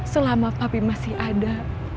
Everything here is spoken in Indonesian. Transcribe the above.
selama papih masih ada